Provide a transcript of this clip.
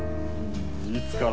いつから？